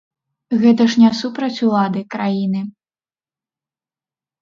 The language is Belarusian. Гэта ж не супраць улады, краіны.